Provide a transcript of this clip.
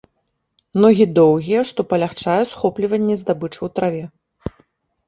Ногі доўгія, што палягчае схопліванне здабычы ў траве.